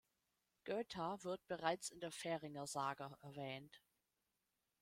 Gøta wird bereits in der Färingersaga erwähnt.